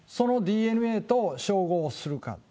そのＤＮＡと照合をするか。